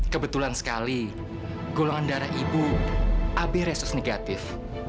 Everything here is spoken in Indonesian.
kebetulan sekali golongan darah ibu ab reses negatif